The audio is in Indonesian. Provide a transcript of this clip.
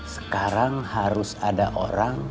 sekarang harus ada orang